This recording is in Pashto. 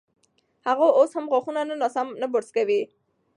هغه اوس هم غاښونه ناسم نه برس کوي.